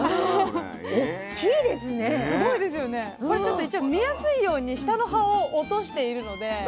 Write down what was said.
これちょっと一応見やすいように下の葉を落としているので。